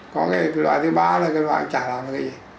có cái loại thứ ba là cái loại chả làm được cái gì